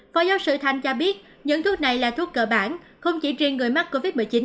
phó giáo sư thanh cho biết những thuốc này là thuốc cơ bản không chỉ riêng người mắc covid một mươi chín